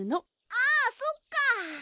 あそっか。